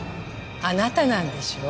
あなたなんでしょ。